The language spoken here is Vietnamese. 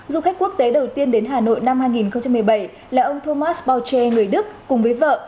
du khách quốc tế đầu tiên đến hà nội năm hai nghìn một mươi bảy là ông thomas bao che người đức cùng với vợ